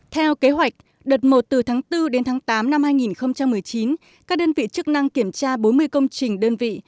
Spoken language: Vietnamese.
theo kế hoạch đợt một từ tháng bốn đến tháng tám năm hai nghìn một mươi chín các đơn vị chức năng kiểm tra bốn mươi công trình đơn vị